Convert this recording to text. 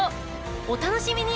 お楽しみに！